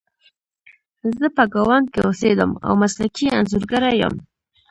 زه په ګاونډ کې اوسیدم او مسلکي انځورګره یم